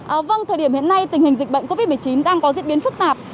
ở vâng thời điểm hiện nay tình hình dịch bệnh covid một mươi chín đang có diễn biến phức tạp